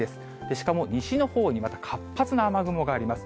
しかも西のほうにまた活発な雨雲があります。